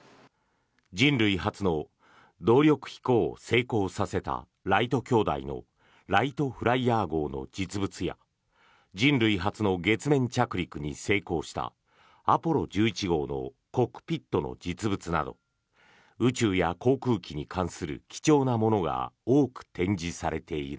人類初の動力飛行を成功させたライト兄弟のライトフライヤー号の実物や人類初の月面着陸に成功したアポロ１１号のコックピットの実物など宇宙や航空機に関する貴重なものが多く展示されている。